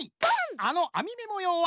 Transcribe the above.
あのあみめもようは。